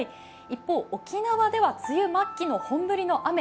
一方、沖縄では梅雨末期の本降りの雨。